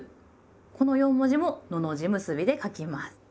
この四文字ものの字結びで書きます。